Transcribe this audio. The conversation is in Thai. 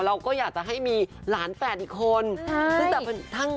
เราก็อยากจะให้มีหลานแฝดอีกคน